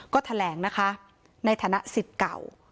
ก็แถลงในฐานะศิษย์เก่า